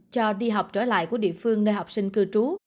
cho đi học trở lại của địa phương nơi học sinh cư trú